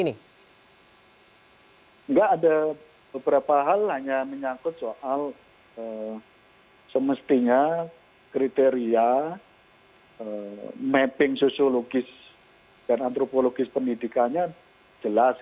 tidak ada beberapa hal hanya menyangkut soal semestinya kriteria mapping sosiologis dan antropologis pendidikannya jelas